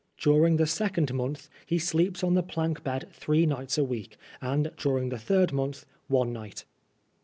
During the second month he sleeps on ^e plank bed three nights a week, and during the third month one night.